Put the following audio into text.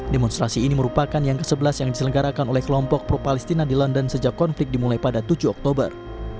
demonstrasi ini merupakan yang ke sebelas yang diselenggarakan oleh kelompok pro palestina di london sejak konflik dimulai pada tujuh oktober